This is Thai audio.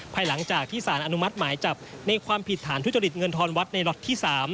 ภายหลังจากที่สารอนุมัติหมายจับในความผิดฐานทุจริตเงินทอนวัดในล็อตที่๓